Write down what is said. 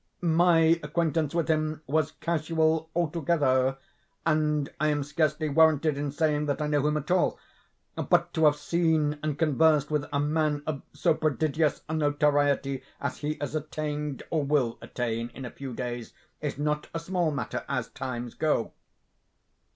My acquaintance with him was casual altogether; and I am scarcely warranted in saying that I know him at all; but to have seen and conversed with a man of so prodigious a notoriety as he has attained, or will attain in a few days, is not a small matter, as times go.